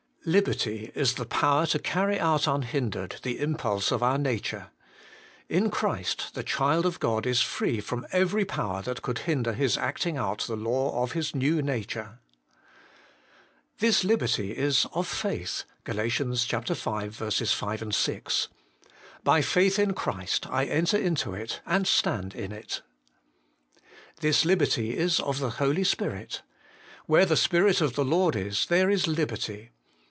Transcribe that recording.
1. Liberty is the power to carry out unhindered the impulse of our nature. In Christ the child of God is free from every power that could hinder his acting out the law of his new nature. 2. This liberty Is of faith (Qal. u. 5, 6). By faith In Christ I enter Into It, and stand in it. 3. This liberty Is of the Holy Spirit. ' Where the Spirit of the Lord la, HOLINESS AND LIBEKTY. 183 there fa liberty.'